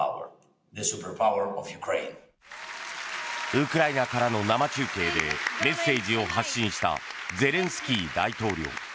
ウクライナからの生中継でメッセージを発信したゼレンスキー大統領。